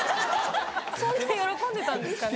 そうして喜んでたんですかね？